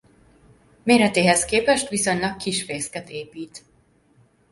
Méretéhez képest viszonylag kis fészket épít.